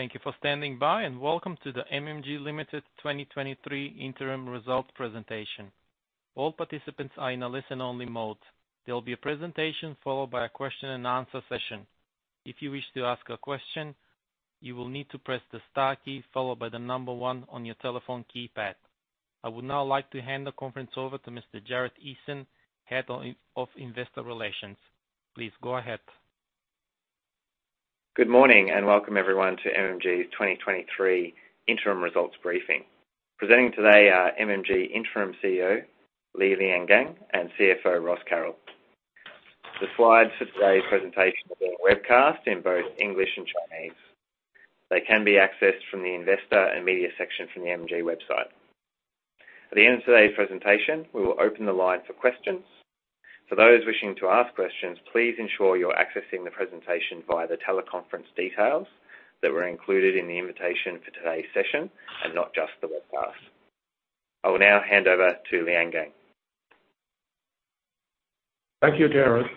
Thank you for standing by, and welcome to the MMG Limited 2023 interim results presentation. All participants are in a listen-only mode. There will be a presentation followed by a question-and-answer session. If you wish to ask a question, you will need to press the star key followed by one on your telephone keypad. I would now like to hand the conference over to Mr. Jarod Esam, Head of Investor Relations. Please go ahead. Good morning, and welcome everyone to MMG's 2023 interim results briefing. Presenting today are MMG Interim CEO, Li Liangang, and CFO, Ross Carroll. The slides for today's presentation are being webcast in both English and Chinese. They can be accessed from the Investor and Media section from the MMG website. At the end of today's presentation, we will open the line for questions. For those wishing to ask questions, please ensure you're accessing the presentation via the teleconference details that were included in the invitation for today's session, and not just the webcast. I will now hand over to Liangang. Thank you, Jarod.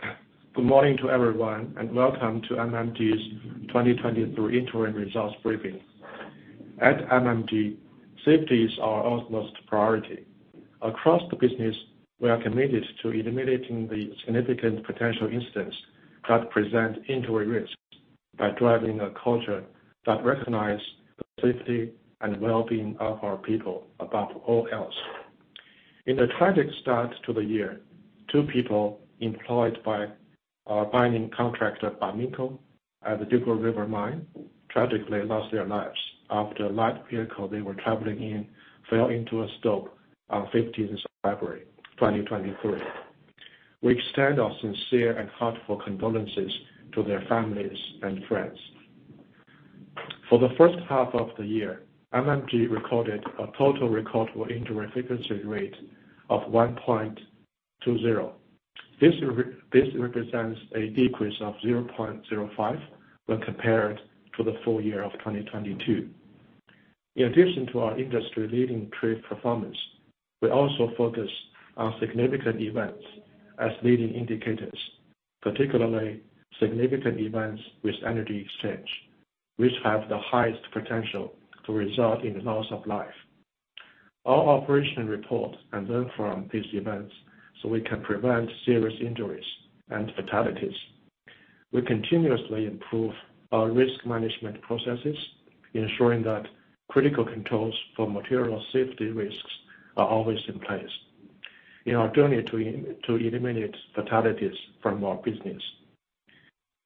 Good morning to everyone, welcome to MMG's 2023 interim results briefing. At MMG, safety is our utmost priority. Across the business, we are committed to eliminating the significant potential incidents that present injury risks by driving a culture that recognize the safety and well-being of our people above all else. In a tragic start to the year, two people employed by our mining contractor, Barminco, at the Dugald River mine, tragically lost their lives after a light vehicle they were traveling in fell into a stope on 15th of February, 2023. We extend our sincere and heartfelt condolences to their families and friends. For the first half of the year, MMG recorded a total recordable injury frequency rate of 1.20. This represents a decrease of 0.05 when compared to the full year of 2022. In addition to our industry-leading trade performance, we also focus on significant events as leading indicators, particularly significant events with energy exchange, which have the highest potential to result in the loss of life. Our operation report and learn from these events so we can prevent serious injuries and fatalities. We continuously improve our risk management processes, ensuring that critical controls for material safety risks are always in place in our journey to eliminate fatalities from our business.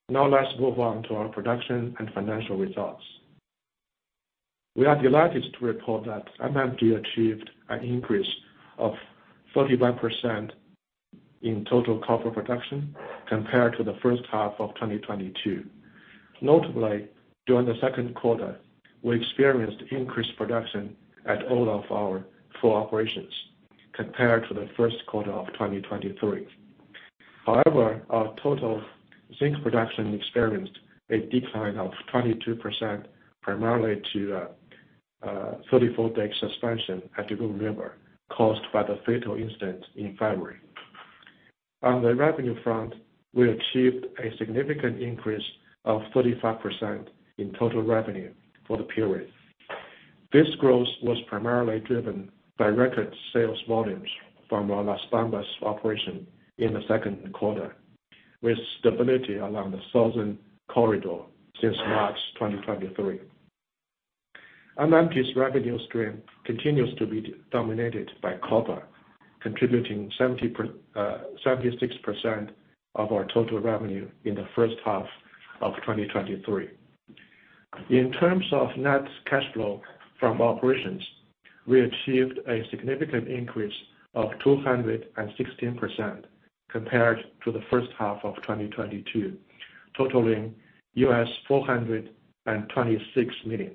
Now, let's move on to our production and financial results. We are delighted to report that MMG achieved an increase of 31% in total copper production compared to the first half of 2022. Notably, during the second quarter, we experienced increased production at all of our four operations compared to the first quarter of 2023. However, our total zinc production experienced a decline of 22%, primarily to 34-day suspension at Dugald River, caused by the fatal incident in February. On the revenue front, we achieved a significant increase of 35% in total revenue for the period. This growth was primarily driven by record sales volumes from our Las Bambas operation in the second quarter, with stability around the Southern Corridor since March 2023. MMG's revenue stream continues to be dominated by copper, contributing 76% of our total revenue in the first half of 2023. In terms of net cash flow from operations, we achieved a significant increase of 216% compared to the first half of 2022, totaling $426 million.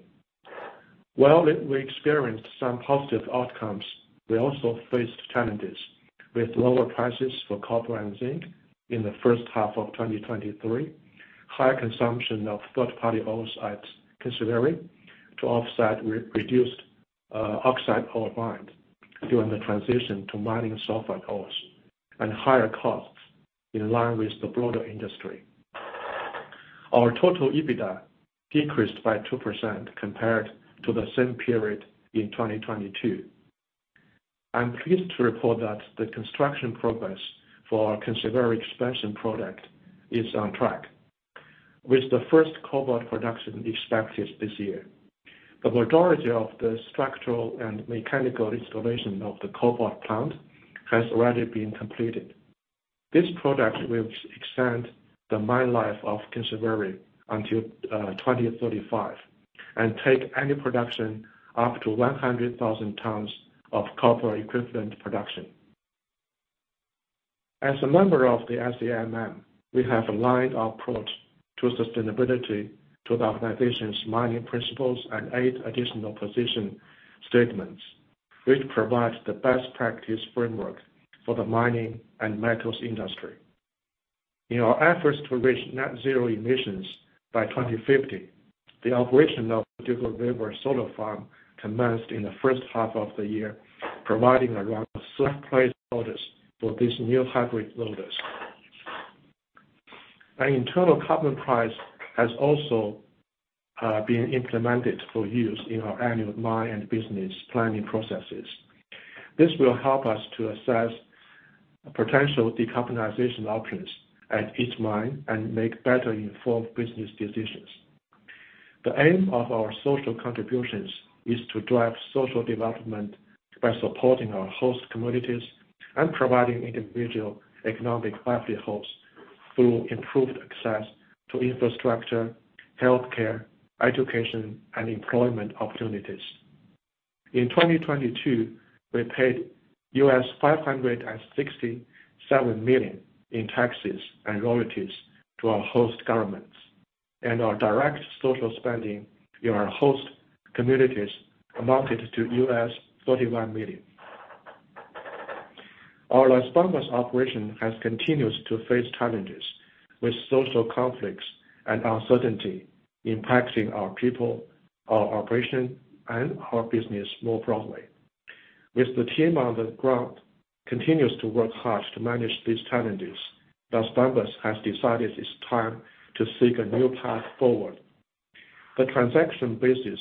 While we, we experienced some positive outcomes, we also faced challenges with lower prices for copper and zinc in the first half of 2023, higher consumption of third-party oxides considering to offset re-reduced, oxide ore mined during the transition to mining sulfide ores, and higher costs in line with the broader industry. Our total EBITDA decreased by 2% compared to the same period in 2022. I'm pleased to report that the construction progress for our Kinsevere Expansion Project is on track, with the first cobalt production expected this year. The majority of the structural and mechanical installation of the cobalt plant has already been completed. This project will extend the mine life of Kinsevere until 2035, and take annual production up to 100,000 tons of copper equivalent production. As a member of the ICMM, we have aligned our approach to sustainability to the organization's mining principles and eight additional position statements, which provides the best practice framework for the mining and metals industry. In our efforts to reach net zero emissions by 2050, the operation of Dugald River Solar Farm commenced in the first half of the year, providing around [surplus loads for this new hybrid loaders.... Our internal carbon price has also been implemented for use in our annual mine and business planning processes. This will help us to assess potential decarbonization options at each mine, and make better informed business decisions. The aim of our social contributions is to drive social development by supporting our host communities and providing individual economic livelihoods through improved access to infrastructure, healthcare, education, and employment opportunities. In 2022, we paid $567 million in taxes and royalties to our host governments, and our direct social spending in our host communities amounted to $31 million. Our Las Bambas operation has continues to face challenges, with social conflicts and uncertainty impacting our people, our operation, and our business more broadly. The team on the ground continues to work hard to manage these challenges, Las Bambas has decided it's time to seek a new path forward. The transaction basis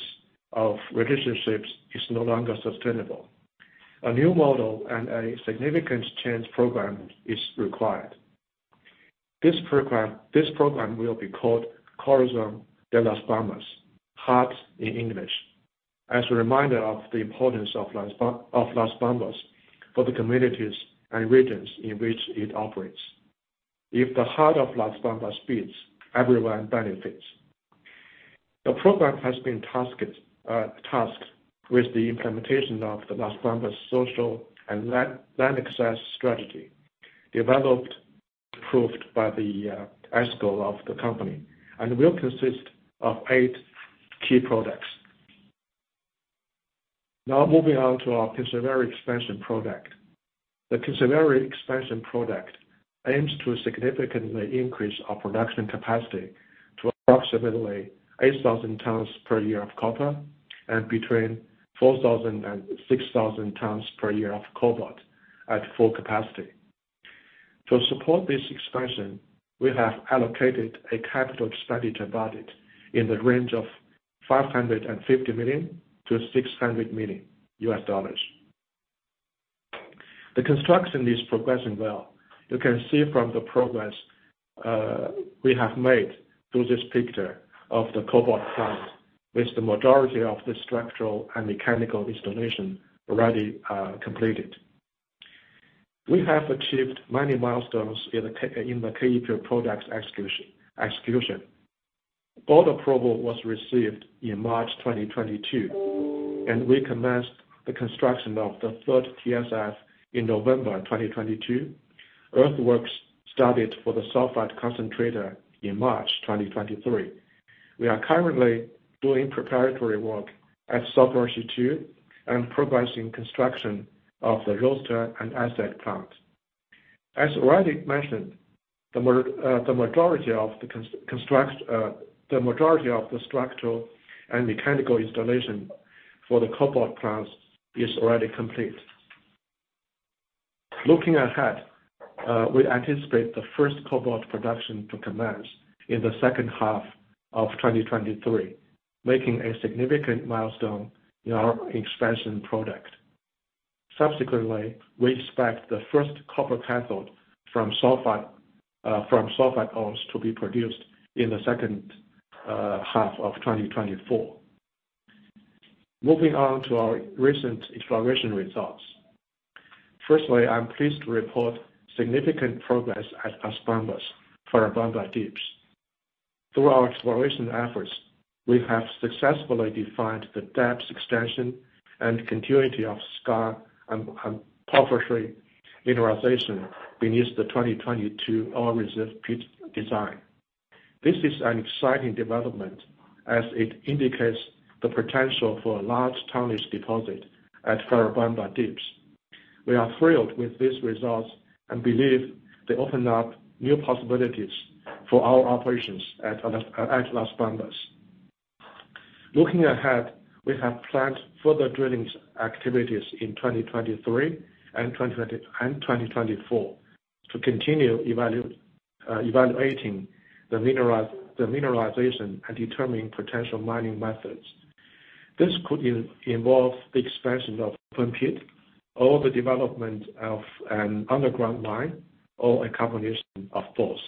of relationships is no longer sustainable. A new model and a significant change program is required. This program, this program will be called Corazon de Las Bambas, heart in English, as a reminder of the importance of Las Bambas for the communities and regions in which it operates. If the heart of Las Bambas beats, everyone benefits. The program has been tasked, tasked with the implementation of the Las Bambas social and land, land access strategy, developed, approved by the ExCo of the company, and will consist of 8 key products. Now, moving on to our Kinsevere Expansion Project. The Kinsevere Expansion Project aims to significantly increase our production capacity to approximately 8,000 tons per year of copper, and between 4,000 and 6,000 tons per year of cobalt at full capacity. To support this expansion, we have allocated a capital expenditure budget in the range of $550 million-$600 million. The construction is progressing well. You can see from the progress, we have made through this picture of the cobalt plant, with the majority of the structural and mechanical installation already, completed. We have achieved many milestones in the key projects execution, execution. Board approval was received in March 2022. We commenced the construction of the third TSF in November 2022. Earthworks started for the sulfide concentrator in March 2023. We are currently doing preparatory work at Sokoroshe II and progressing construction of the roaster and acid plant. As already mentioned, the majority of the construct, the majority of the structural and mechanical installation for the cobalt plant is already complete. Looking ahead, we anticipate the first cobalt production to commence in the second half of 2023, making a significant milestone in our Kinsevere Expansion Project. Subsequently, we expect the first copper cathode from sulfide, from sulfide ores to be produced in the second half of 2024. Moving on to our recent exploration results. Firstly, I'm pleased to report significant progress at Las Bambas for Ferrobamba Deeps. Through our exploration efforts, we have successfully defined the depth, extension, and continuity of skarn and porphyry mineralization beneath the 2022 ore reserve pit design. This is an exciting development as it indicates the potential for a large tonnage deposit at Ferrobamba Deeps. We are thrilled with these results and believe they open up new possibilities for our operations at Las Bambas. Looking ahead, we have planned further drillings activities in 2023 and 2024, to continue evaluating the mineralization and determining potential mining methods. This could involve the expansion of pit, or the development of an underground mine, or a combination of those.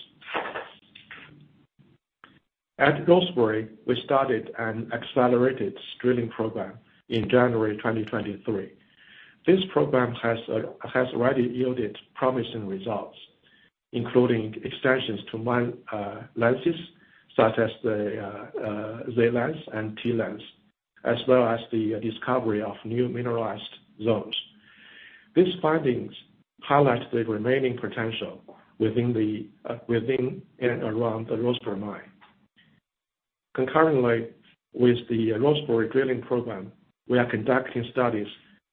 At Rosebery, we started an accelerated drilling program in January 2023. This program has already yielded promising results, including extensions to mine lenses, such as the V lens and T lens, as well as the discovery of new mineralized zones. These findings highlight the remaining potential within and around the Rosebery mine. Concurrently, with the Rosebery drilling program, we are conducting studies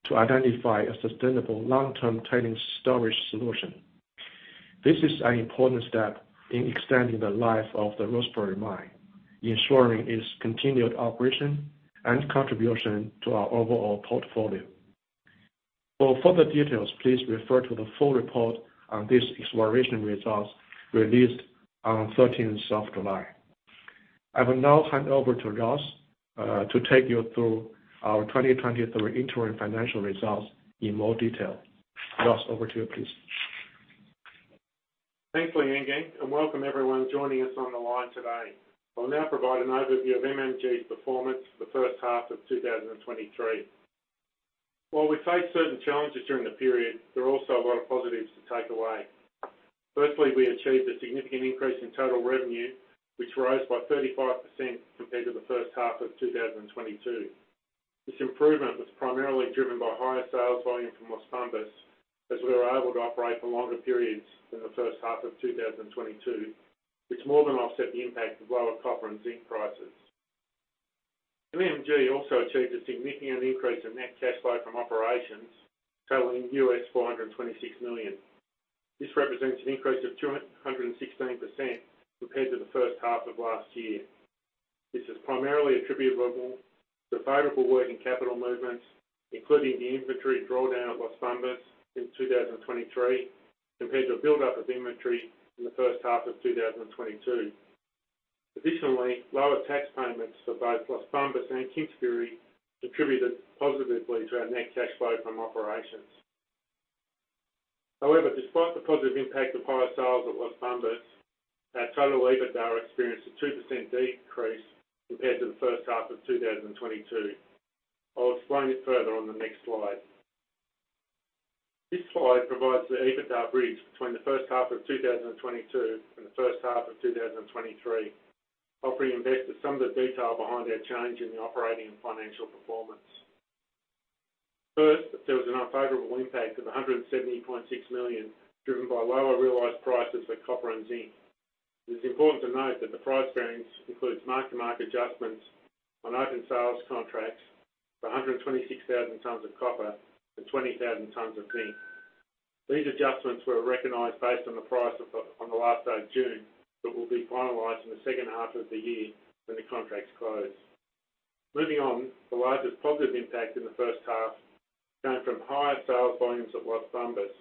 to identify a sustainable long-term tailings storage solution. This is an important step in extending the life of the Rosebery mine, ensuring its continued operation and contribution to our overall portfolio. For further details, please refer to the full report on these exploration results released on 13th of July. I will now hand over to Ross to take you through our 2023 interim financial results in more detail. Ross, over to you, please. Thanks, Li Liangang, and welcome everyone joining us on the line today. I'll now provide an overview of MMG's performance for the first half of 2023. While we faced certain challenges during the period, there are also a lot of positives to take away. Firstly, we achieved a significant increase in total revenue, which rose by 35% compared to the first half of 2022. This improvement was primarily driven by higher sales volume from Las Bambas, as we were able to operate for longer periods than the first half of 2022, which more than offset the impact of lower copper and zinc prices. MMG also achieved a significant increase in net cash flow from operations, totaling $426 million. This represents an increase of 216% compared to the first half of last year. This is primarily attributable to favorable working capital movements, including the inventory drawdown at Las Bambas in 2023, compared to a buildup of inventory in the first half of 2022. Additionally, lower tax payments for both Las Bambas and Kinsevere contributed positively to our net cash flow from operations. However, despite the positive impact of higher sales at Las Bambas, our total EBITDA experienced a 2% decrease compared to the first half of 2022. I'll explain it further on the next slide. This slide provides the EBITDA bridge between the first half of 2022 and the first half of 2023, offering investors some of the detail behind our change in the operating and financial performance. There was an unfavorable impact of $170.6 million, driven by lower realized prices for copper and zinc. It is important to note that the price bearings includes mark-to-market adjustments on open sales contracts for 126,000 tons of copper and 20,000 tons of zinc. These adjustments were recognized based on the price on the last day of June, but will be finalized in the second half of the year when the contracts close. The largest positive impact in the first half came from higher sales volumes at Las Bambas,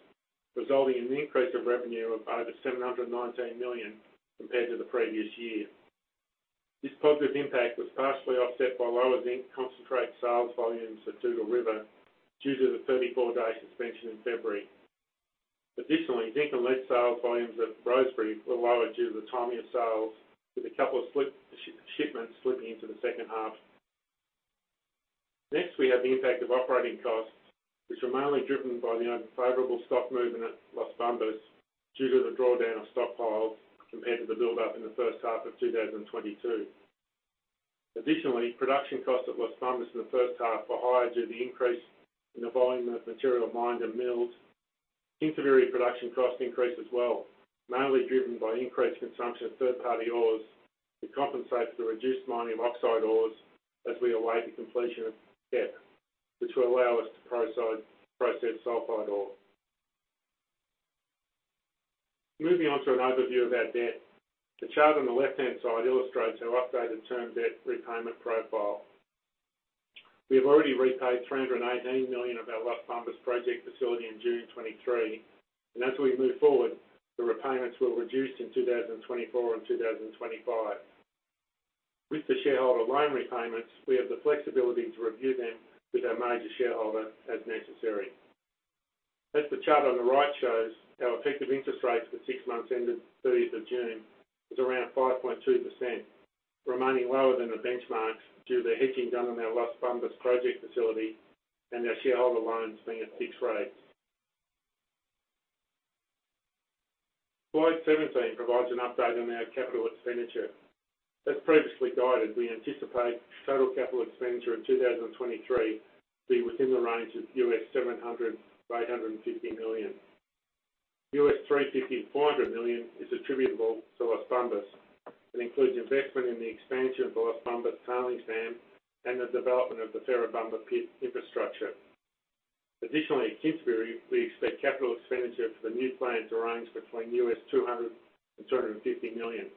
resulting in an increase of revenue of over $719 million compared to the previous year. This positive impact was partially offset by lower zinc concentrate sales volumes at Dugald River, due to the 34-day suspension in February. Additionally, zinc and lead sales volumes at Rosebery were lower due to the timing of sales, with a couple of shipments slipping into the second half. Next, we have the impact of operating costs, which were mainly driven by the unfavorable stock movement at Las Bambas due to the drawdown of stockpiles compared to the buildup in the first half of 2022. Additionally, production costs at Las Bambas in the first half were higher due to the increase in the volume of material mined and milled. Kinsevere production cost increased as well, mainly driven by increased consumption of third-party ores to compensate for the reduced mining of oxide ores as we await the completion of devt, which will allow us to process sulphide ore. Moving on to an overview of our debt. The chart on the left-hand side illustrates our updated term debt repayment profile. We have already repaid $318 million of our Las Bambas project facility in June 2023, and as we move forward, the repayments will reduce in 2024 and 2025. With the shareholder loan repayments, we have the flexibility to review them with our major shareholder as necessary. As the chart on the right shows, our effective interest rates for six months ended 30th of June was around 5.2%, remaining lower than the benchmarks due to the hedging done on our Las Bambas project facility and our shareholder loans being at fixed rates. Slide 17 provides an update on our capital expenditure. As previously guided, we anticipate total capital expenditure in 2023 to be within the range of $700 million-$850 million. $350 million-$400 million is attributable to Las Bambas. It includes investment in the expansion of the Las Bambas tailings dam and the development of the Ferrobamba pit infrastructure. Additionally, at Kinsevere, we expect capital expenditure for the new plant to range between $200 million-$250 million.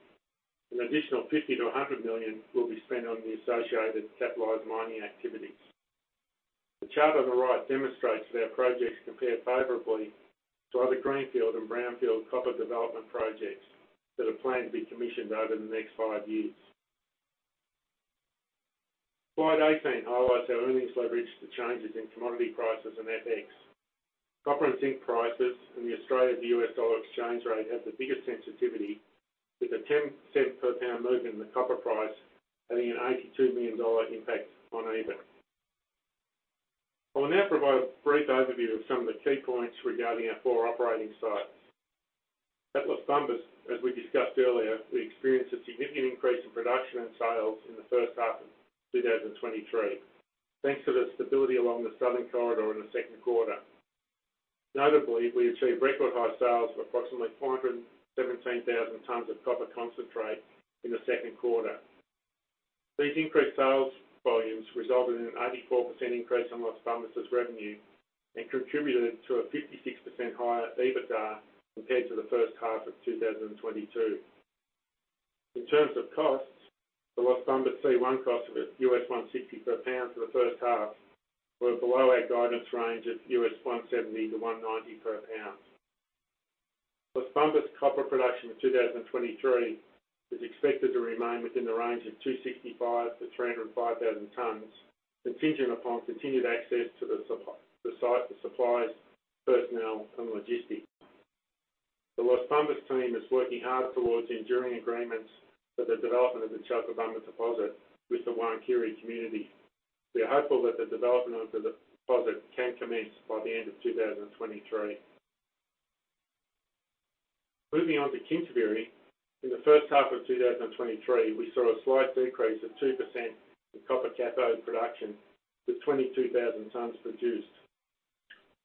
An additional $50 million-$100 million will be spent on the associated capitalized mining activities. The chart on the right demonstrates that our projects compare favorably to other greenfield and brownfield copper development projects that are planned to be commissioned over the next five years. Slide 18 highlights our earnings leverage to changes in commodity prices and FX. Copper and zinc prices and the Australia to U.S. dollar exchange rate have the biggest sensitivity, with a $0.10 per lb move in the copper price having an $82 million impact on EBITDA. I will now provide a brief overview of some of the key points regarding our four operating sites. At Las Bambas, as we discussed earlier, we experienced a significant increase in production and sales in the first half of 2023, thanks to the stability along the Southern Corridor in the second quarter. Notably, we achieved record-high sales of approximately 417,000 tons of copper concentrate in the second quarter. These increased sales volumes resulted in an 84% increase on Las Bambas' revenue and contributed to a 56% higher EBITDA compared to the first half of 2022. In terms of costs, the Las Bambas C1 costs of $160 per lb for the first half were below our guidance range of $170-$190 per lb. Las Bambas copper production in 2023 is expected to remain within the range of 265,000-305,000 tonnes, contingent upon continued access to the site for supplies, personnel, and logistics. The Las Bambas team is working hard towards the enduring agreements for the development of the Chalcobamba deposit with the Huancuire community. We are hopeful that the development of the deposit can commence by the end of 2023. Moving on to Kinsevere, in the first half of 2023, we saw a slight decrease of 2% in copper cathode production, with 22,000 tonnes produced.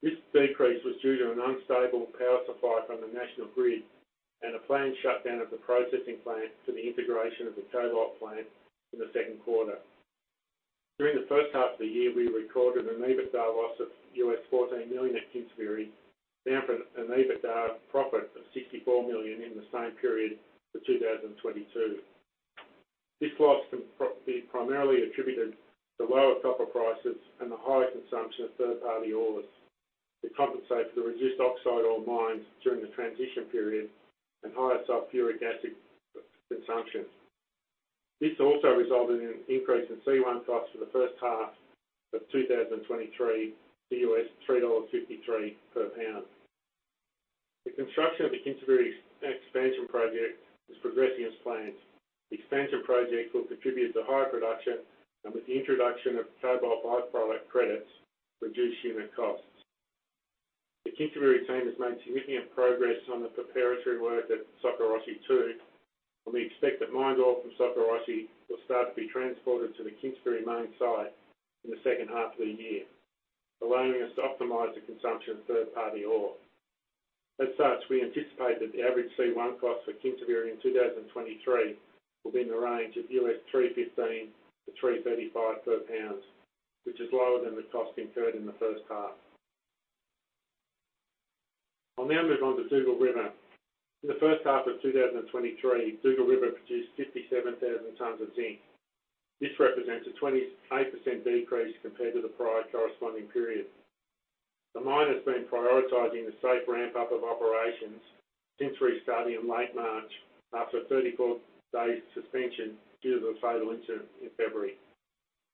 This decrease was due to an unstable power supply from the national grid and a planned shutdown of the processing plant for the integration of the cobalt plant in the second quarter. During the first half of the year, we recorded an EBITDA loss of $14 million at Kinsevere, down from an EBITDA profit of $64 million in the same period for 2022. This loss can be primarily attributed to lower copper prices and the higher consumption of third-party ores to compensate for the reduced oxide ore mines during the transition period and higher sulfuric acid consumption. This also resulted in an increase in C1 costs for the first half of 2023 to $3.53 per lb The construction of the Kinsevere Expansion Project is progressing as planned. The expansion project will contribute to higher production, and with the introduction of cobalt by-product credits, reduce unit costs. The Kinsevere team has made significant progress on the preparatory work at Sokoroshe II, and we expect that mined ore from Sokoroshe II will start to be transported to the Kinsevere main site in the second half of the year, allowing us to optimize the consumption of third-party ore. As such, we anticipate that the average C1 cost for Kinsevere in 2023 will be in the range of $3.15-$3.35 per lb which is lower than the cost incurred in the first half. I'll now move on to Dugald River. In the first half of 2023, Dugald River produced 57,000 tonnes of zinc. This represents a 28% decrease compared to the prior corresponding period. The mine has been prioritizing the safe ramp-up of operations since restarting in late March, after a 34-day suspension due to the fatal incident in February,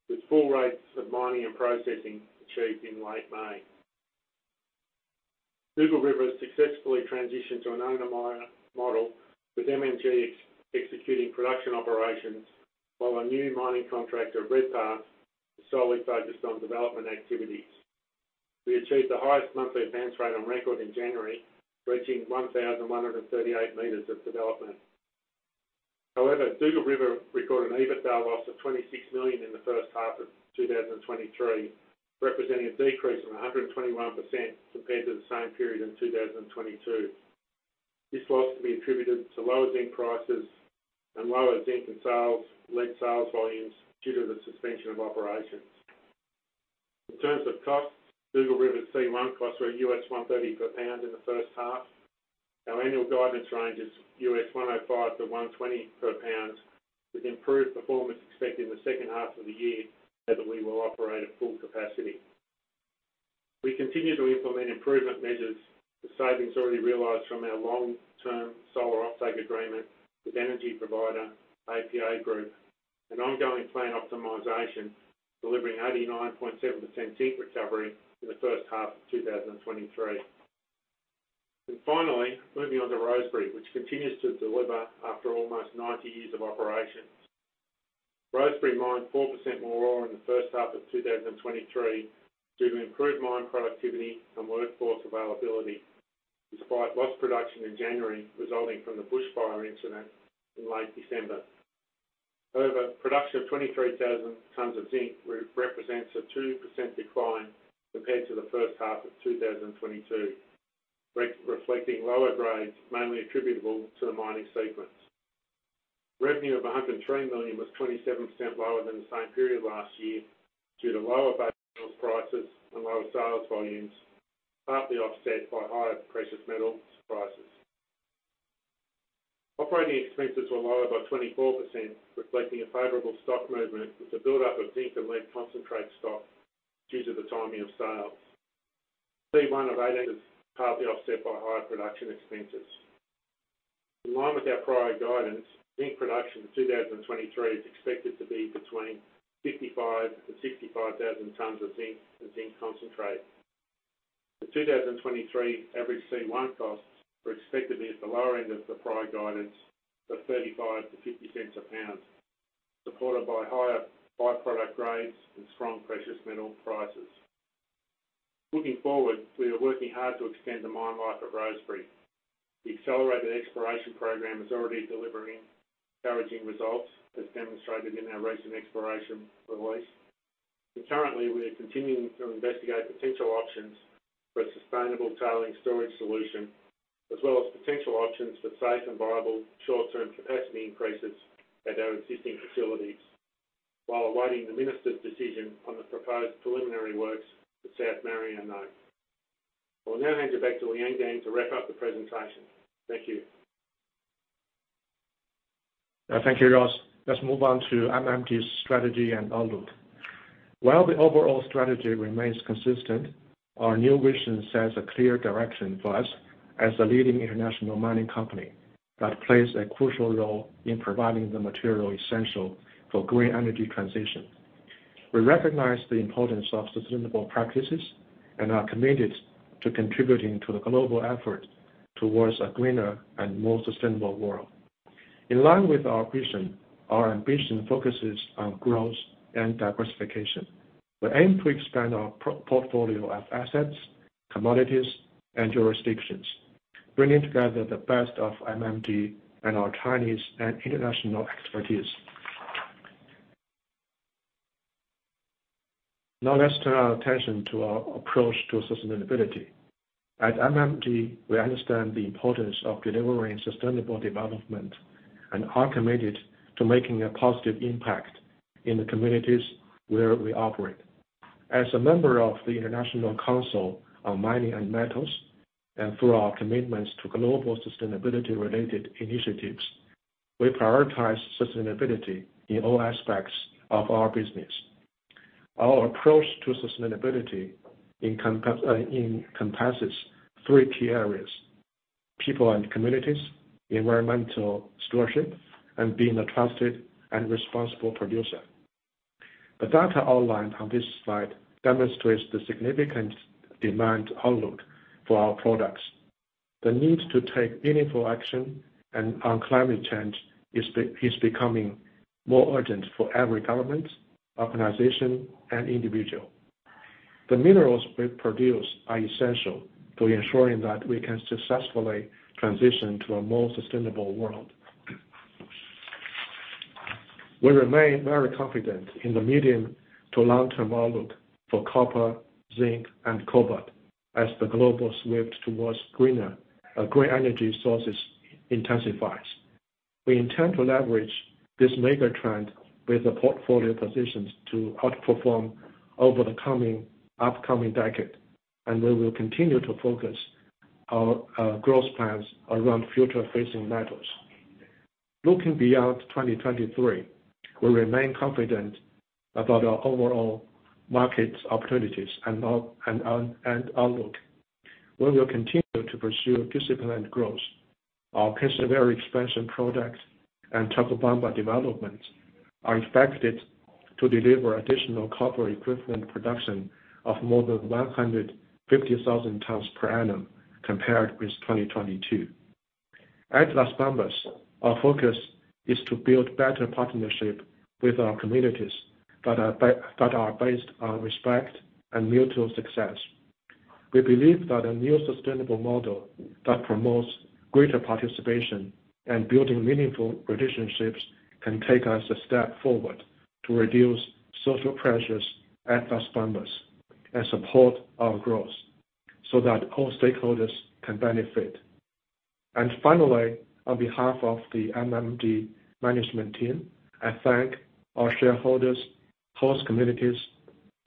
with full rates of mining and processing achieved in late May. Dugald River has successfully transitioned to an owner-miner model, with MMG executing production operations, while our new mining contractor, Redpath, is solely focused on development activities. We achieved the highest monthly advance rate on record in January, reaching 1,138 m of development. However, Dugald River recorded an EBITDA loss of $26 million in the first half of 2023, representing a decrease of 121% compared to the same period in 2022. This loss can be attributed to lower zinc prices and lower zinc and lead sales volumes due to the suspension of operations. In terms of costs, Dugald River C1 costs were $130 per pound in the first half. Our annual guidance range is $105-$120 per lb with improved performance expected in the second half of the year, as we will operate at full capacity. We continue to implement improvement measures, with savings already realized from our long-term solar offtake agreement with energy provider APA Group, and ongoing plant optimization, delivering 89.7% zinc recovery in the first half of 2023. Finally, moving on to Rosebery, which continues to deliver after almost 90 years of operations. Rosebery mined 4% more ore in the first half of 2023 due to improved mine productivity and workforce availability, despite lost production in January resulting from the bushfire incident in late December. However, production of 23,000 tonnes of zinc represents a 2% decline compared to the first half of 2022, reflecting lower grades, mainly attributable to the mining sequence. Revenue of $103 million was 27% lower than the same period last year due to lower base metal prices and lower sales volumes, partly offset by higher precious metals prices. Operating expenses were lower by 24%, reflecting a favorable stock movement with the buildup of zinc and lead concentrate stock due to the timing of sales. C1 of $18 is partly offset by higher production expenses. In line with our prior guidance, zinc production in 2023 is expected to be between 55,000-65,000 tonnes of zinc and zinc concentrate. The 2023 average C1 costs are expected to be at the lower end of the prior guidance of $0.35-$0.50 a lb supported by higher by-product grades and strong precious metal prices. Looking forward, we are working hard to extend the mine life at Rosebery. The accelerated exploration program is already delivering encouraging results, as demonstrated in our recent exploration release. Currently, we are continuing to investigate potential options for a sustainable tailings storage solution, as well as potential options for safe and viable short-term capacity increases at our existing facilities, while awaiting the minister's decision on the proposed preliminary works for South Marionoak. I will now hand it back to Li Liangang to wrap up the presentation. Thank you. Thank you, Ross. Let's move on to MMG's strategy and outlook. While the overall strategy remains consistent, our new vision sets a clear direction for us as a leading international mining company that plays a crucial role in providing the material essential for green energy transition. We recognize the importance of sustainable practices and are committed to contributing to the global effort towards a greener and more sustainable world. In line with our vision, our ambition focuses on growth and diversification. We aim to expand our portfolio of assets, commodities, and jurisdictions, bringing together the best of MMG and our Chinese and international expertise. Now, let's turn our attention to our approach to sustainability. At MMG, we understand the importance of delivering sustainable development and are committed to making a positive impact in the communities where we operate. As a member of the International Council on Mining and Metals, and through our commitments to global sustainability-related initiatives, we prioritize sustainability in all aspects of our business. Our approach to sustainability encompasses three key areas: people and communities, environmental stewardship, and being a trusted and responsible producer. The data outlined on this slide demonstrates the significant demand outlook for our products. The need to take meaningful action and on climate change is becoming more urgent for every government, organization, and individual. The minerals we produce are essential to ensuring that we can successfully transition to a more sustainable world. We remain very confident in the medium to long-term outlook for copper, zinc, and cobalt as the global shift towards greener, green energy sources intensifies. We intend to leverage this mega trend with the portfolio positions to outperform over the coming, upcoming decade. We will continue to focus our growth plans around future-facing metals. Looking beyond 2023, we remain confident about our overall markets, opportunities, and outlook. We will continue to pursue disciplined growth. Our Kinsevere expansion products and Tocopilla developments are expected to deliver additional copper equivalent production of more than 150,000 tons per annum compared with 2022. At Las Bambas, our focus is to build better partnership with our communities that are based on respect and mutual success. We believe that a new sustainable model that promotes greater participation and building meaningful relationships can take us a step forward to reduce social pressures at Las Bambas and support our growth so that all stakeholders can benefit. Finally, on behalf of the MMG management team, I thank our shareholders, host communities,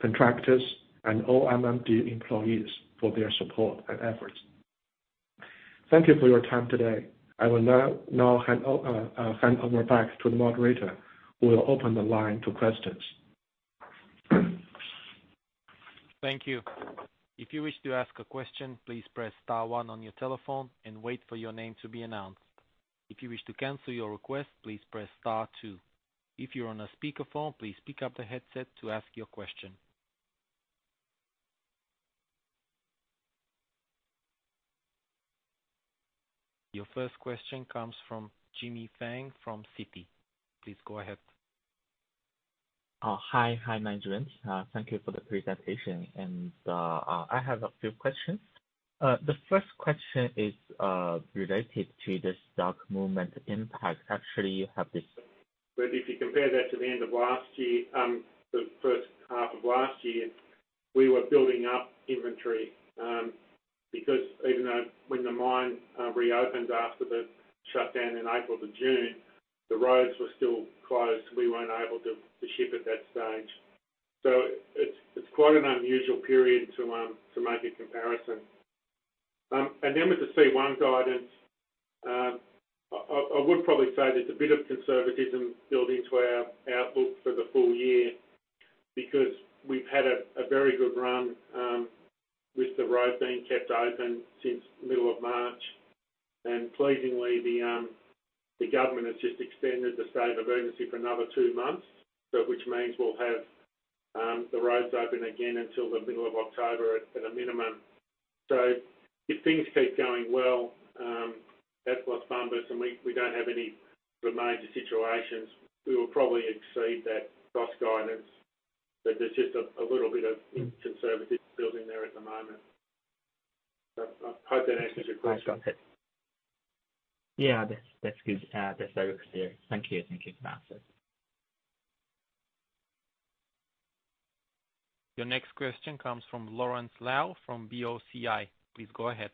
contractors, and all MMG employees for their support and efforts. Thank you for your time today. I will now, now hand over back to the moderator, who will open the line to questions. Thank you. If you wish to ask a question, please press star one on your telephone and wait for your name to be announced. If you wish to cancel your request, please press star two. If you're on a speakerphone, please pick up the headset to ask your question. Your first question comes from Jingshan Shang from Citi. Please go ahead. Hi. Hi, management. Thank you for the presentation. I have a few questions. The first question is, related to the stock movement impact. Actually, you have this- If you compare that to the end of last year, the 1st half of last year, we were building up inventory because even though when the mine reopened after the shutdown in April to June, the roads were still closed. We weren't able to, to ship at that stage. It's, it's quite an unusual period to make a comparison. Then with the C1 guidance, I, I, I would probably say there's a bit of conservatism built into our outlook for the full year, because we've had a, a very good run with the road being kept open since middle of March. Pleasingly, the government has just extended the state of emergency for another two months. Which means we'll have the roads open again until the middle of October at, at a minimum. If things keep going well, at Las Bambas, and we, we don't have any major situations, we will probably exceed that cost guidance. There's just a, a little bit of conservatism building there at the moment. I, I hope that answers your question. I got it. Yeah, that's, that's good. That's very clear. Thank you. Thank you for the answer. Your next question comes from Lawrence Lau, from BOCI. Please go ahead.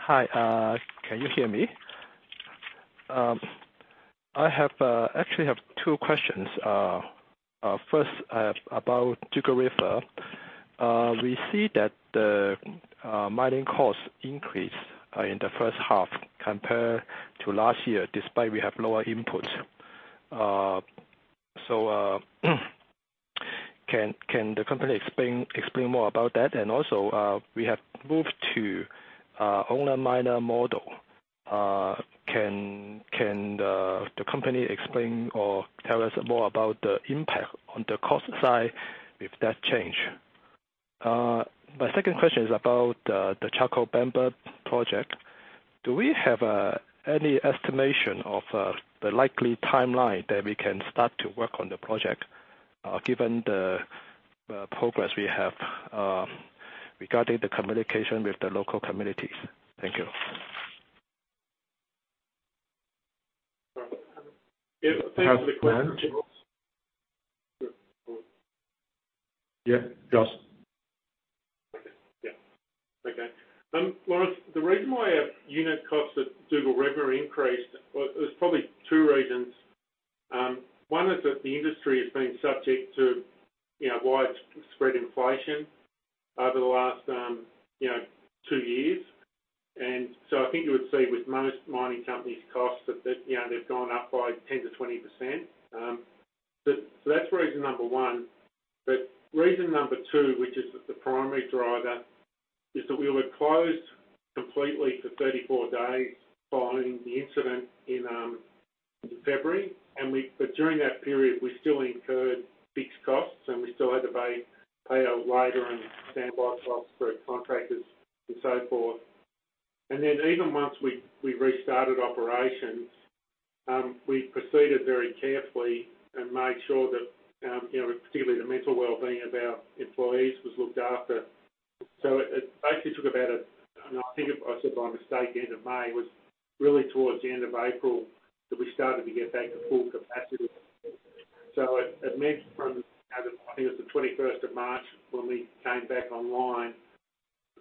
Hi, can you hear me? I actually have two questions. First, about Dugald River. We see that the mining costs increased in the first half compared to last year, despite we have lower inputs. Can the company explain, explain more about that? We have moved to owner-miner model. Can the company explain or tell us more about the impact on the cost side with that change? My second question is about the Chalcobamba project. Do we have any estimation of the likely timeline that we can start to work on the project, given the progress we have regarding the communication with the local communities? Thank you. Yeah, thanks for the question. Yeah, Ross. Okay. Yeah. Okay. Lawrence, the reason why our unit costs at Dugald River increased, well, there's probably two reasons. One is that the industry has been subject to, you know, widespread inflation over the last, you know, two years. I think you would see with most mining companies' costs that, that, you know, they've gone up by 10%-20%. That's reason number one. Reason number two, which is the primary driver, is that we were closed completely for 34 days following the incident in February, and but during that period, we still incurred fixed costs, and we still had to pay, pay our labor and standby costs for our contractors and so forth. Even once we, we restarted operations, we proceeded very carefully and made sure that, you know, particularly the mental wellbeing of our employees was looked after. It, it basically took about a, and I think I said by mistake, end of May, was really towards the end of April, that we started to get back to full capacity. It, it meant from, I think it was the 21st of March, when we came back online,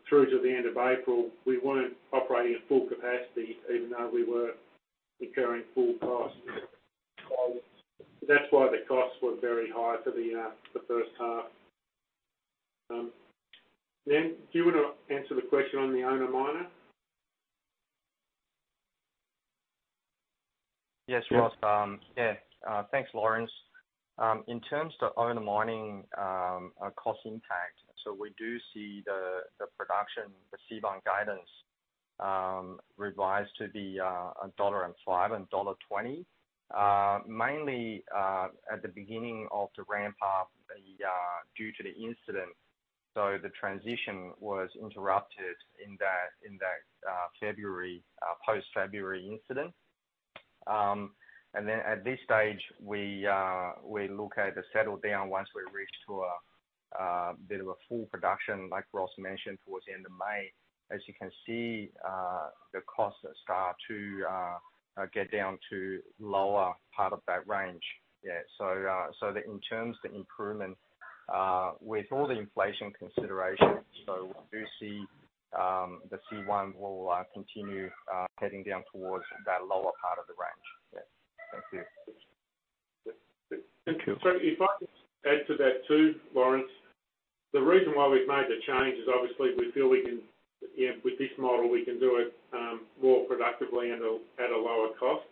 through to the end of April, we weren't operating at full capacity, even though we were incurring full costs. That's why the costs were very high for the 1st half. Lin, do you want to answer the question on the owner miner? Yes, Ross. Thanks, Lawrence. In terms of owner mining cost impact, we do see the production, the C1 guidance, revised to be $1.05-$1.20. Mainly at the beginning of the ramp up, due to the incident, so the transition was interrupted in that, in that February post-February incident. At this stage, we look at the settle down once we reach to a bit of a full production, like Ross mentioned, towards the end of May. As you can see, the costs start to get down to lower part of that range. Yeah. in terms the improvement with all the inflation considerations, we do see the C1 will continue heading down towards that lower part of the range. Yeah. Thank you. Thank you. If I could add to that, too, Lawrence, the reason why we've made the change is obviously we feel we can, you know, with this model, we can do it, more productively and at a, at a lower cost.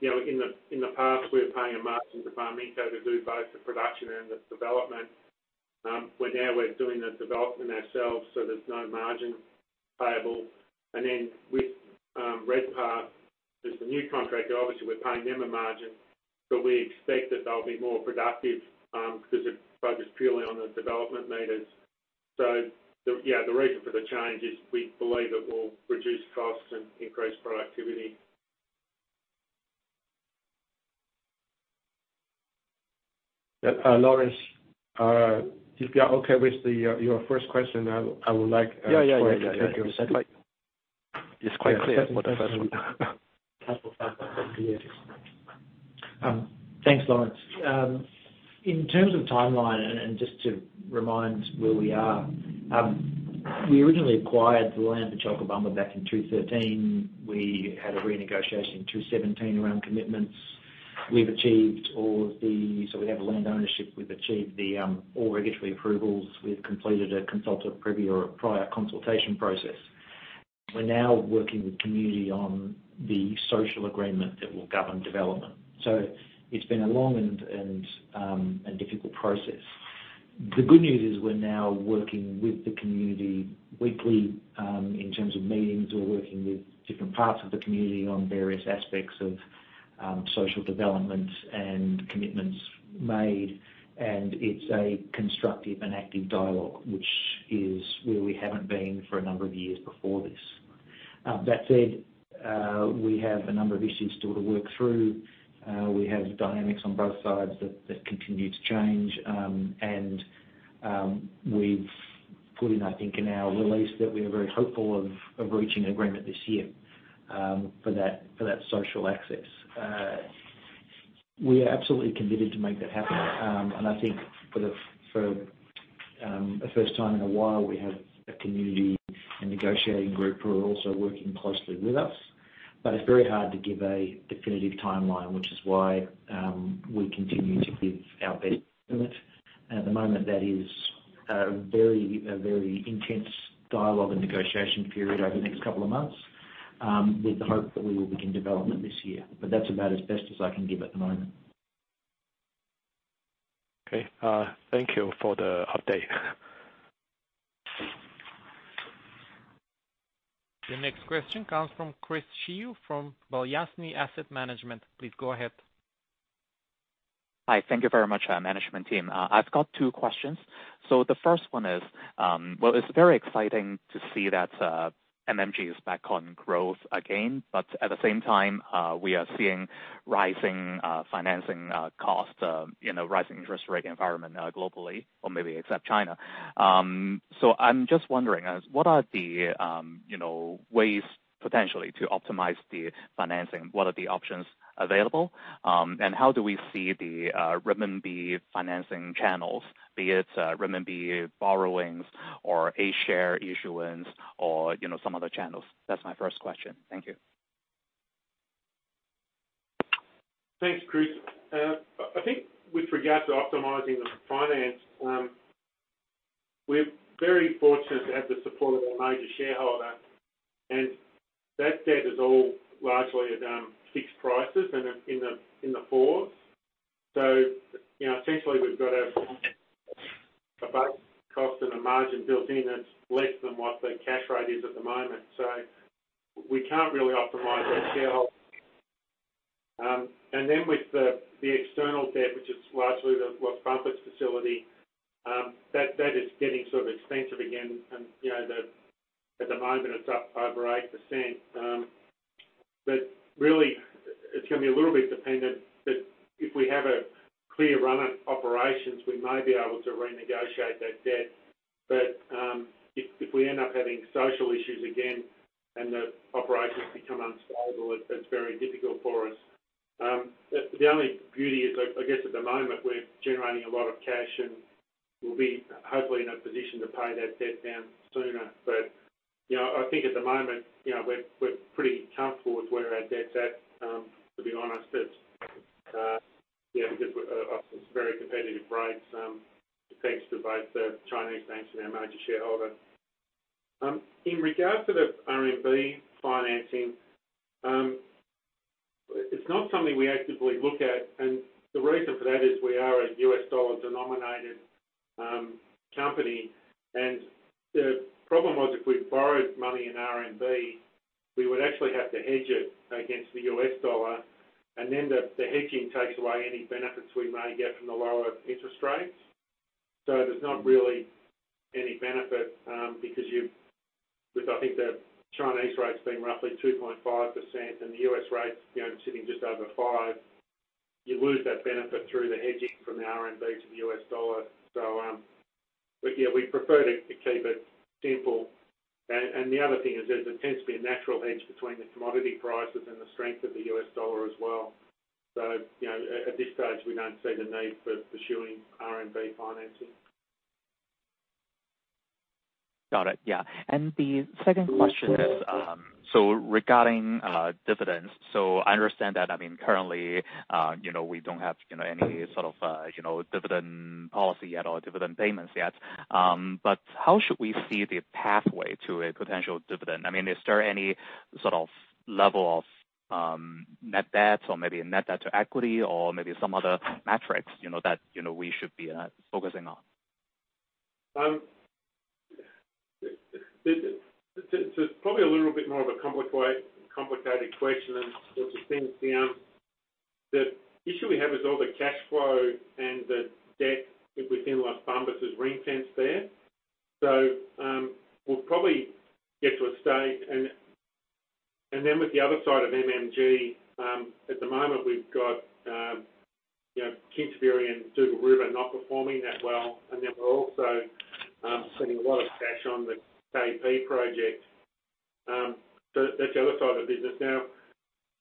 You know, in the past, we were paying a margin to Barminco to do both the production and the development. Where now we're doing the development ourselves, so there's no margin payable. Then with Redpath, there's the new contract. Obviously, we're paying them a margin, but we expect that they'll be more productive, because it's focused purely on the development meters. The, yeah, the reason for the change is we believe it will reduce costs and increase productivity. Yeah, Lawrence, if you are okay with the, your first question, I, I would like Yeah, yeah, yeah. Thank you. It's quite clear with the first one. Thanks, Lawrence. In terms of timeline, and just to remind where we are, we originally acquired the land for Chalcobamba back in 2013. We had a renegotiation in 2017 around commitments. We've achieved all of the... we have a land ownership. We've achieved the, all regulatory approvals. We've completed a consultant preview or a prior consultation process. We're now working with community on the social agreement that will govern development. It's been a long and, a difficult process. The good news is we're now working with the community weekly, in terms of meetings or working with different parts of the community on various aspects of, social development and commitments made. It's a constructive and active dialogue, which is where we haven't been for a number of years before this. That said, we have a number of issues still to work through. We have dynamics on both sides that, that continue to change. We've put in, I think, in our release, that we are very hopeful of reaching an agreement this year for that, for that social access. We are absolutely committed to make that happen. I think for the, for the first time in a while, we have a community, a negotiating group, who are also working closely with us. It's very hard to give a definitive timeline, which is why we continue to give our best judgment. At the moment, that is, a very, a very intense dialogue and negotiation period over the next couple of months, with the hope that we will begin development this year. That's about as best as I can give at the moment. Okay. Thank you for the update. The next question comes from Chris Chiu from Balyasny Asset Management. Please go ahead. Hi. Thank you very much, management team. I've got two questions. The first one is, well, it's very exciting to see that MMG is back on growth again. At the same time, we are seeing rising financing costs, you know, rising interest rate environment, globally, or maybe except China. I'm just wondering, as what are the, you know, ways potentially to optimize the financing? What are the options available? How do we see the renminbi financing channels, be it renminbi borrowings or A share issuance or, you know, some other channels? That's my first question. Thank you. Thanks, Chris. I think with regard to optimizing the finance, we're very fortunate to have the support of our major shareholder. That debt is all largely at fixed prices and in the 4s. You know, essentially, we've got a base cost and a margin built in that's less than what the cash rate is at the moment, so we can't really optimize that shareholder. Then with the external debt, which is largely the, well, profits facility, that data is getting sort of expensive again, and, you know, at the moment, it's up over 8%. Really, it's gonna be a little bit dependent, that if we have a clear run at operations, we may be able to renegotiate that debt. If, if we end up having social issues again and the operations become unstable, it's very difficult for us. The, the only beauty is, I, I guess at the moment, we're generating a lot of cash, and we'll be hopefully in a position to pay that debt down sooner. You know, I think at the moment, you know, we're, we're pretty comfortable with where our debt's at. To be honest, it's, yeah, it's very competitive rates, thanks to both the Chinese banks and our major shareholder. In regards to the RMB financing, it's not something we actively look at, and the reason for that is we are a U.S. dollar-denominated company. The problem was, if we borrowed money in RMB, we would actually have to hedge it against the U.S. dollar, then the hedging takes away any benefits we may get from the lower interest rates. There's not really any benefit because you've with I think the Chinese rates being roughly 2.5% and the U.S. rates, you know, sitting just over 5%, you lose that benefit through the hedging from the RMB to the U.S. dollar. Yeah, we prefer to keep it simple. The other thing is there's a tendency to be a natural hedge between the commodity prices and the strength of the U.S. dollar as well. You know, at this stage, we don't see the need for pursuing RMB financing. Got it. Yeah. The second question is, so regarding dividends, so I understand that, I mean, currently, you know, we don't have, you know, any sort of, you know, dividend policy yet or dividend payments yet. How should we see the pathway to a potential dividend? I mean, is there any sort of level of net debts or maybe net debt to equity or maybe some other metrics, you know, that, you know, we should be focusing on? The, the, the, it's probably a little bit more of a complicated question than sort of things. The issue we have is all the cash flow and the debt within Las Bambas is ring-fenced there. We'll probably get to a stage. Then with the other side of MMG, at the moment, we've got, you know, Kinsevere and Dugald River not performing that well, and then we're also spending a lot of cash on the KP project. That's the other side of the business. Now,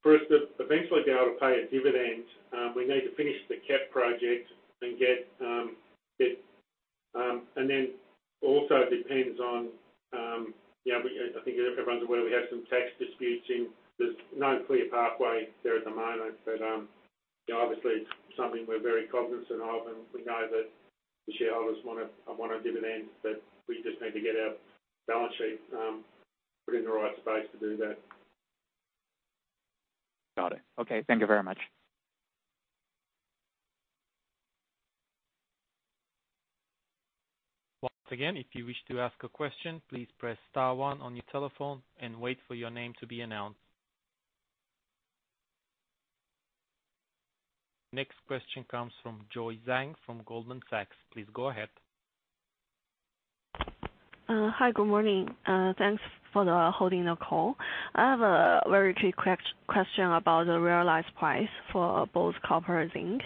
for us to eventually be able to pay a dividend, we need to finish the KP project and get it. Then also it depends on, yeah, I think everyone's aware we have some tax disputes in. There's no clear pathway there at the moment. You know, obviously, it's something we're very cognizant of, and we know that the shareholders want to, want a dividend, but we just need to get our balance sheet, put in the right space to do that. Got it. Okay. Thank you very much. Once again, if you wish to ask a question, please press star 1 on your telephone and wait for your name to be announced. Next question comes from Joy Zhang from Goldman Sachs. Please go ahead. Hi, good morning. Thanks for holding the call. I have a very quick question about the realized price for both copper and zinc.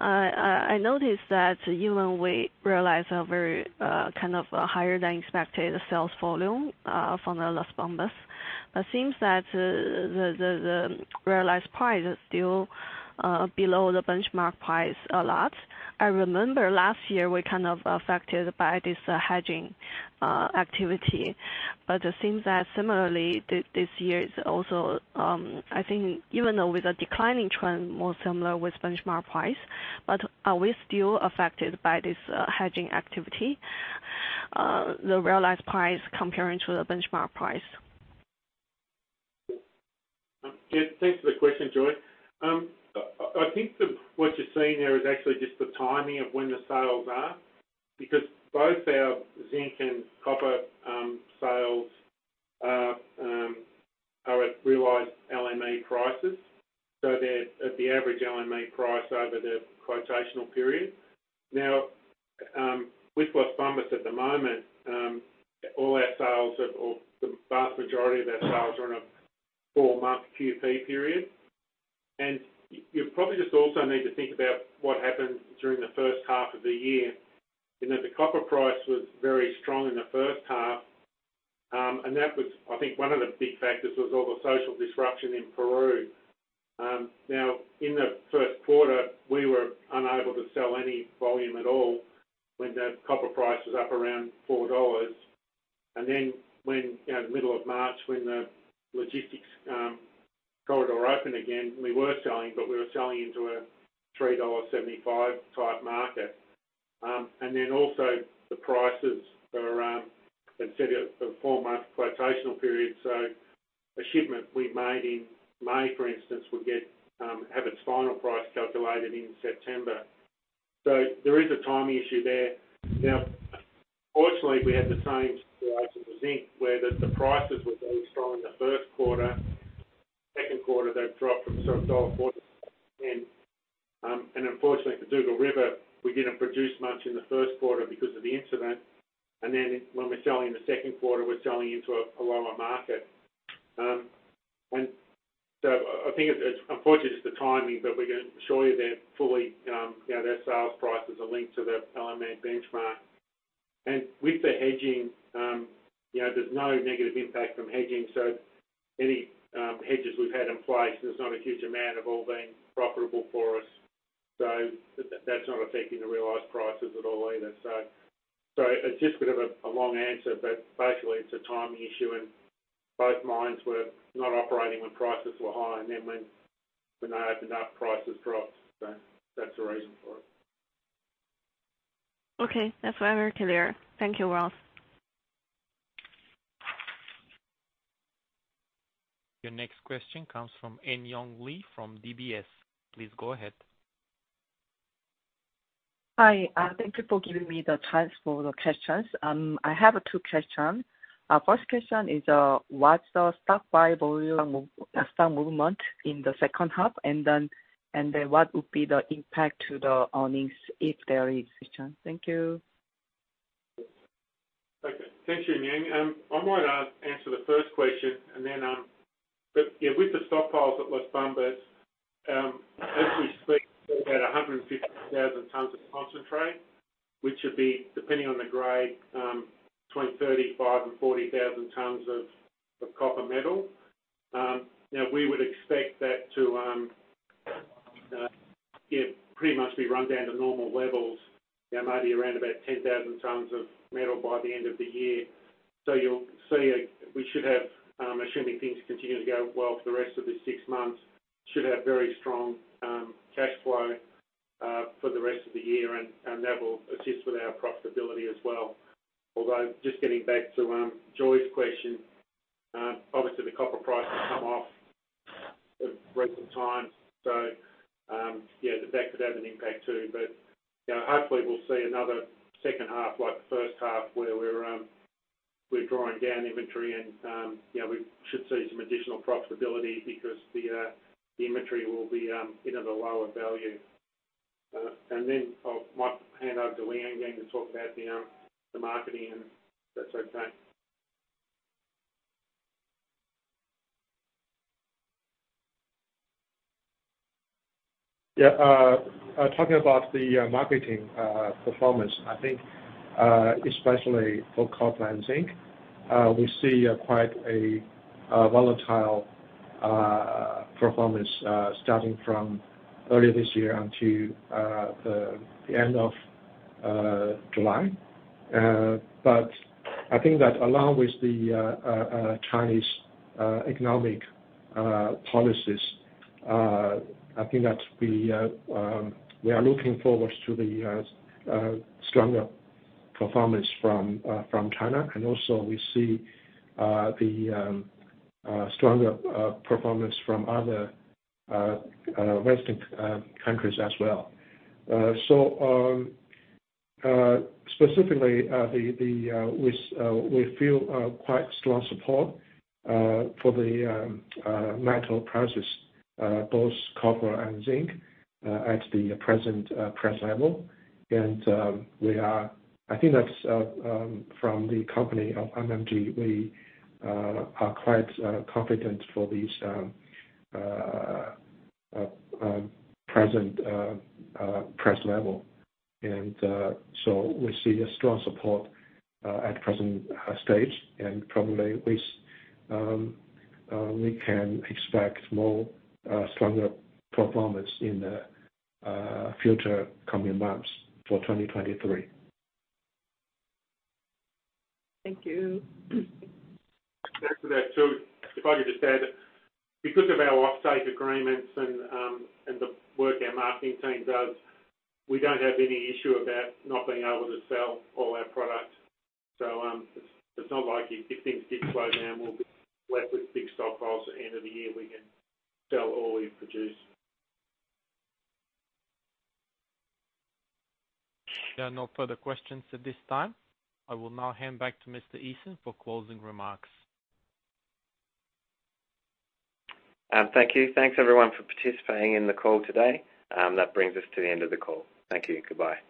I noticed that even we realized a very kind of a higher than expected sales volume from the Las Bambas. It seems that the realized price is still below the benchmark price a lot. I remember last year we kind of affected by this hedging activity, but it seems that similarly, this year is also, I think even though with a declining trend, more similar with benchmark price, are we still affected by this hedging activity, the realized price comparing to the benchmark price? Yeah, thanks for the question, Joy. I, I think the, what you're seeing there is actually just the timing of when the sales are, because both our zinc and copper sales are at realized LME prices, so they're at the average LME price over the quotational period. Now, with Las Bambas at the moment, all our sales or, or the vast majority of our sales are on a 4-month QP period. You probably just also need to think about what happened during the first half of the year, in that the copper price was very strong in the first half. That was, I think, one of the big factors was all the social disruption in Peru. In the 1st quarter, we were unable to sell any volume at all when the copper price was up around $4. When, you know, in the middle of March, when the logistics corridor opened again, we were selling, but we were selling into a $3.75 type market. Also the prices are considered a four-month quotational period, so a shipment we made in May, for instance, would get its final price calculated in September. There is a timing issue there. Fortunately, we had the same situation with zinc, where the prices were very strong in the 1st quarter. 2nd quarter, they dropped from $4.44, and unfortunately, for Dugald River, we didn't produce much in the 1st quarter because of the incident. When we're selling in the second quarter, we're selling into a, a lower market. I, I think it, it's unfortunately just the timing, but we're gonna assure you they're fully, you know, their sales prices are linked to the LME benchmark. With the hedging, you know, there's no negative impact from hedging, so any hedges we've had in place, there's not a huge amount have all been profitable for us. That's not affecting the realized prices at all either. It's just bit of a, a long answer, but basically, it's a timing issue, and both mines were not operating when prices were high, and then when they opened up, prices dropped, so that's the reason for it. Okay, that's very clear. Thank you, Ross. Your next question comes from Eun Young Lee from DBS. Please go ahead. Hi, thank you for giving me the chance for the questions. I have two question. First question is, what's the stockpile volume stock movement in the second half? What would be the impact to the earnings if there is question? Thank you. Okay, thank you, Eun Young. I might answer the first question, and then, with the stockpiles at Las Bambas, as we speak, about 150,000 tons of concentrate, which would be, depending on the grade, between 35,000 tons-40,000 tons of copper metal. Now, we would expect that to pretty much be run down to normal levels, maybe around about 10,000 tons of metal by the end of the year. You'll see we should have, assuming things continue to go well for the rest of the six months, should have very strong cash flow for the rest of the year, and that will assist with our profitability as well. Just getting back to Joy's question, obviously the copper price has come off of recent times, so, yeah, the fact could have an impact, too. You know, hopefully we'll see another second half, like the first half, where we're drawing down inventory and, you know, we should see some additional profitability because the inventory will be, you know, the lower value. Then I'll might hand over to Li Liangang to talk about the marketing, and if that's okay. Yeah, talking about the marketing performance, I think especially for copper and zinc, we see quite a volatile performance starting from earlier this year until the end of July. I think that along with the Chinese economic policies, I think that we are looking forward to the stronger performance from from China. Also we see the stronger performance from other western countries as well. Specifically, the we feel quite strong support for the metal prices, both copper and zinc, at the present price level. We are-- I think that's from the company of MMG, we are quite confident for these present price level. We see a strong support at present stage, and probably we can expect more stronger performance in the future coming months for 2023. Thank you. After that, if I could just add, because of our offsite agreements and the work our marketing team does, we don't have any issue about not being able to sell all our product. It's, it's not like if, if things did slow down, we'll be left with big stockpiles at the end of the year, we can sell all we've produced. There are no further questions at this time. I will now hand back to Mr. Esam for closing remarks. Thank you. Thanks, everyone, for participating in the call today. That brings us to the end of the call. Thank you, goodbye.